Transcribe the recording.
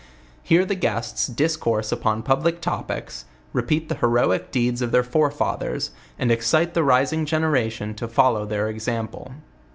Here the guests discourse upon public topics, repeat the he roic deeds of their forefathers, and excite the rising genera tion to follow their example.